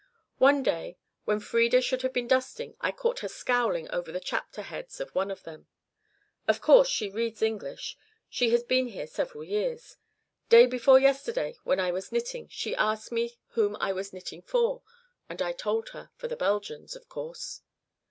One day when Frieda should have been dusting I caught her scowling over the chapter heads of one of them. Of course she reads English she has been here several years. Day before yesterday, when I was knitting, she asked me whom I was knitting for, and I told her for the Belgians, of course.